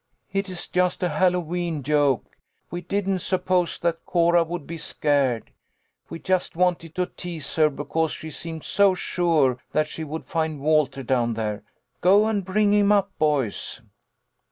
"It is just a Hallowe'en joke. We didn't suppose that Cora would be scared. We just wanted to A HALLOWE'EN PARTY. l6l tease her because she seemed so sure that she would find Walter down there. Go and bring him up, boys."